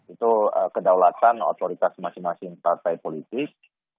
itu kedaulatan otoritas masing masing partai politik